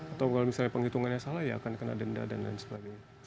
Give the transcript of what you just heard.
atau kalau misalnya penghitungannya salah ya akan kena denda dan lain sebagainya